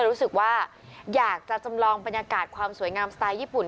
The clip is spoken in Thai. รู้สึกว่าอยากจะจำลองบรรยากาศความสวยงามสไตล์ญี่ปุ่น